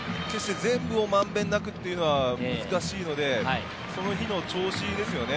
全部をまんべんなくというのは難しいので、その日の調子ですよね。